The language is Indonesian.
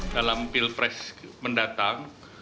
dalam pil pres mendatang